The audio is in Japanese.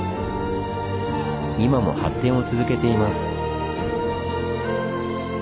今も発展を続けています。